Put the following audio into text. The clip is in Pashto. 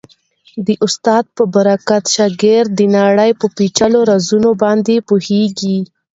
د استاد په برکت شاګرد د نړۍ په پېچلو رازونو باندې پوهېږي.